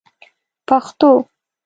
پښتو